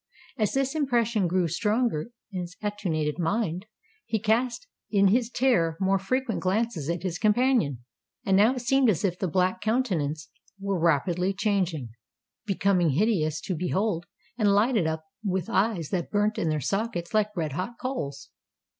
As this impression grew stronger in his attenuated mind, he cast in his terror more frequent glances at his companion;—and now it seemed as if the black countenance were rapidly changing—becoming hideous to behold, and lighted up with eyes that burnt in their sockets like red hot coals!